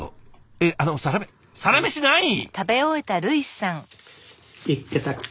えっあのサラメ「サラメシ」何位！？